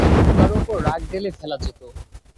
কারো ওপর রাগ ঢেলে ফেলা যেত।